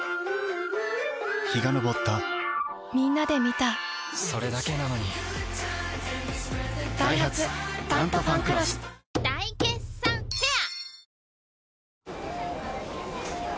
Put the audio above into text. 陽が昇ったみんなで観たそれだけなのにダイハツ「タントファンクロス」大決算フェア